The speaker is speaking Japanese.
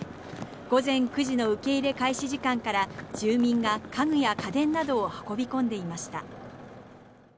午前９時の受け入れ開始時間から住民が家具や家電などを運び込んでいました。